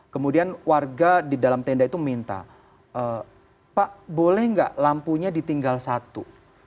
kemudian warga di dalam tenda itu minta pak boleh nggak lampunya ditinggal satu